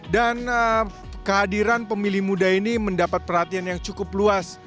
dan kehadiran pemilih muda ini mendapat perhatian yang cukup luas